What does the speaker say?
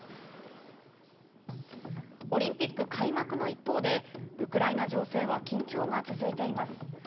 オリンピック開幕の一方で、ウクライナ情勢は緊張が続いています。